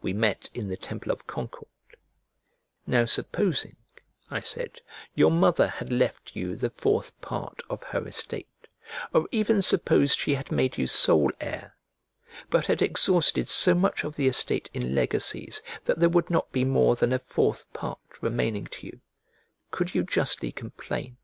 We met in the temple of Concord; "Now supposing," I said, "your mother had left you the fourth part of her estate, or even suppose she had made you sole heir, but had exhausted so much of the estate in legacies that there would not be more than a fourth part remaining to you, could you justly complain?